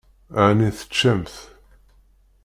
Ɛni teččamt?